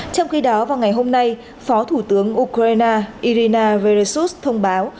trong khi đó vào ngày hôm nay phó thủ tướng ukraine irina vereus thông báo